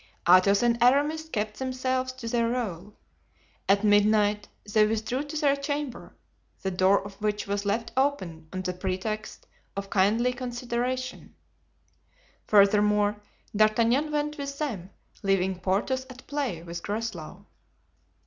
Athos and Aramis kept themselves to their role. At midnight they withdrew to their chamber, the door of which was left open on the pretext of kindly consideration. Furthermore, D'Artagnan went with them, leaving Porthos at play with Groslow.